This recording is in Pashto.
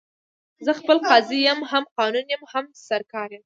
زه خپله قاضي یم، هم قانون یم، هم سرکار یمه